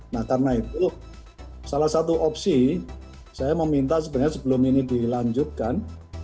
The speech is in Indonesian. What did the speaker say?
nah karena itu salah satu opsi saya meminta sebenarnya sebelum ini dilanjutkan